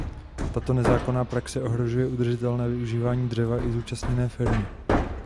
Tato nezákonná praxe ohrožuje udržitelné využívání dřeva i zúčastněné firmy.